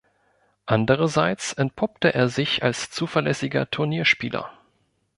Andererseits entpuppte er sich als zuverlässiger Turnierspieler.